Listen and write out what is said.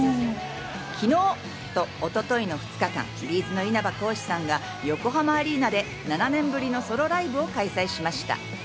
昨日と一昨日の２日間、Ｂｚの稲葉浩志さんが横浜アリーナで７年ぶりのソロライブを開催しました。